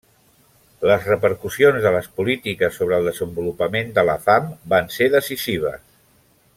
Les repercussions de les polítiques sobre el desenvolupament de la fam van ser decisives.